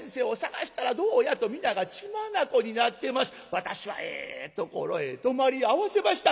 私はええところへ泊まり合わせました。